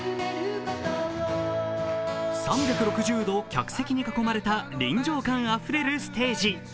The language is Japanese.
３６０度客席に囲まれた臨場感あふれるステージ。